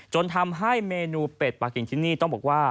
จนทำให้เมนูเป็ดปลากิ่งที่นี่ต้องบอกว่า